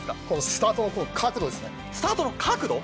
スタートの角度ですね。